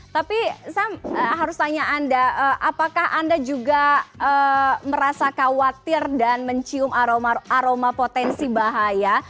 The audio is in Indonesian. tapi saya harus tanya anda apakah anda juga merasa khawatir dan mencium aroma potensi bahaya